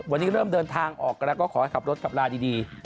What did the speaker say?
วันนี้เริ่มเดินทางออกกันและก็ขอกับรถช้าตร้านดี